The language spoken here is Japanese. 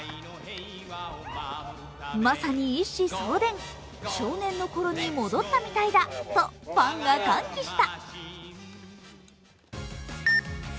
まさに一子相伝、少年の頃に戻ったみたいだとファンが歓喜した。